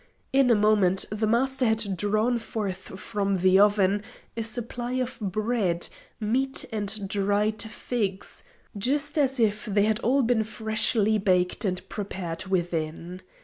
In a moment the Master had drawn forth from the oven a supply of bread, meat and dried figs, just as if they had all been freshly baked and prepared within.